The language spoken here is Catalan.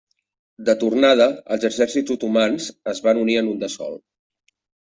De tornada, els exèrcits otomans es van unir en un de sol.